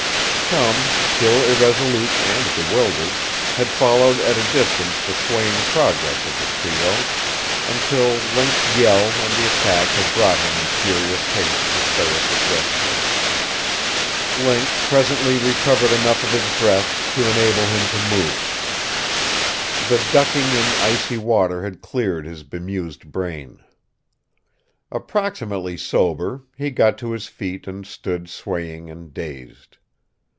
Chum, still irresolute and bewildered, had followed at a distance the swaying progress of the trio, until Link's yell and the attack had brought him in furious haste to Ferris's rescue. Link presently recovered enough of his breath to enable him to move. The ducking in icy water had cleared his bemused brain. Approximately sober, he got to his feet and stood swaying and dazed.